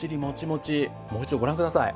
もう一度ご覧下さい。